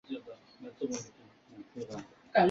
戊戌选试并非真正意义的科举取士。